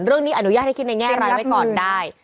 เรื่องนี้อนุญาตให้คิดในแง่รายไว้ก่อนได้